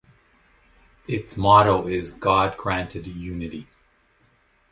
Its motto is "God Grant Unity".